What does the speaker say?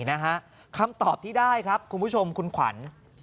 นะฮะคำตอบที่ได้ครับคุณผู้ชมคุณขวัญ